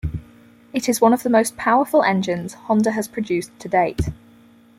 It is one of the most powerful engines Honda has produced to date.